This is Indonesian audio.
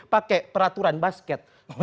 pake peraturan basket